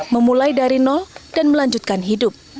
memulai dari nol dan melanjutkan hidup